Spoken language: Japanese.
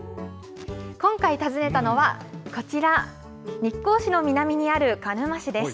今回訪ねたのはこちら、日光市の南にある鹿沼市です。